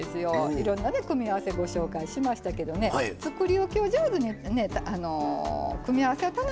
いろんなね組み合わせご紹介しましたけどねつくりおきを上手にやってね組み合わせを楽しむ。